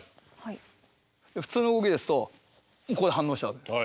普通の動きですとここで反応しちゃう。